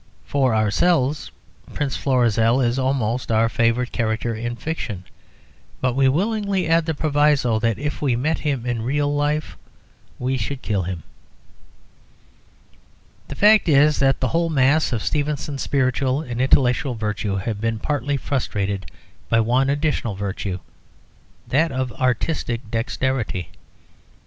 For ourselves. Prince Florizel is almost our favourite character in fiction; but we willingly add the proviso that if we met him in real life we should kill him. The fact is, that the whole mass of Stevenson's spiritual and intellectual virtues have been partly frustrated by one additional virtue that of artistic dexterity.